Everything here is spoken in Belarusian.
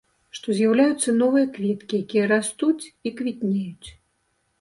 Што з'яўляюцца новыя кветкі, якія растуць і квітнеюць.